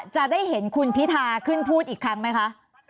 จะได้เห็นคุณพิธาขึ้นพูดอีกครั้งไหมคะ